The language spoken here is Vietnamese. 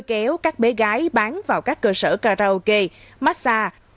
kéo các bé gái bán vào các cơ sở karaoke massage